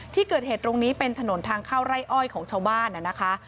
ที่เกิดเหตุตรงนี้เป็นถนนทางเข้าไร่อ้อยของชาวบ้านนะคะ